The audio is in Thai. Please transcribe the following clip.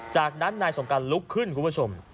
จากนั้นนายสงการลุกขึ้นคุณผู้ชม